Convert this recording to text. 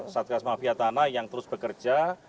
satgas mafia tanah yang terus bekerja